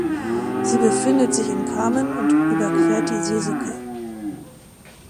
Sie befindet sich in Kamen und überquert die Seseke.